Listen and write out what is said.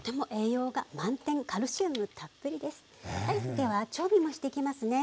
では調味もしていきますね。